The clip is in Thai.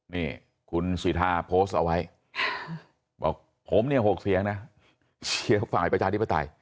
นี่คุณสิทธาโพสต์เอาไว้บอกผมเนี่ย๖เสียงนะเชียร์ฝ่ายประชาธิปไตย